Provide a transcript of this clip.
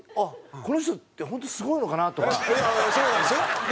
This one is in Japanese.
この人って本当すごいのかなとか。